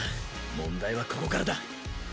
問題はここからだ。